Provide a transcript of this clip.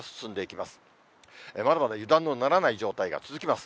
まだまだ油断のならない状態が続きます。